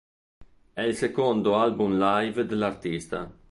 È il secondo album live dell'artista.